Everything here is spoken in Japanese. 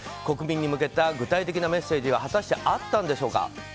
国民に向けた具体的なメッセージが果たしてあったんでしょうか。